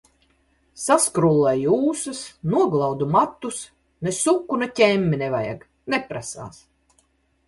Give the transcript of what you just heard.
Saskrullēju ūsas, noglaudu matus, ne suku, ne ķemmi nevajag. Neprasās.